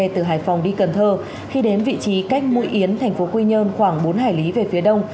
từ hải phòng đi cần thơ khi đến vị trí cách mũi yến thành phố quy nhơn khoảng bốn hải lý về phía đông